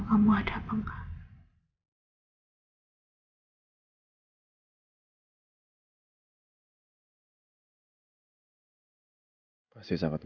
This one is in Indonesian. kamu ada di sini